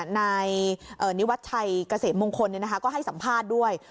ในนิวัฒน์ไทยเกษมงคลก็ให้สัมภาษณ์ด้วย